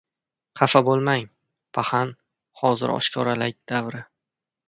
Xafa bo‘lmang, paxan, hozir oshkoralik davri!